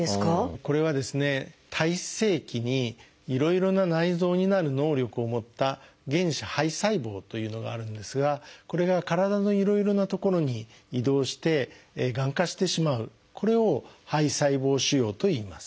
これはですね胎生期にいろいろな内臓になる能力を持った「原始胚細胞」というのがあるんですがこれが体のいろいろな所に移動してがん化してしまうこれを胚細胞腫瘍といいます。